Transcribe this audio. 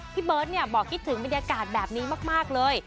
พี่เบิร์ตบอกคิดถึงบรรยากาศแบบนี้มากเลย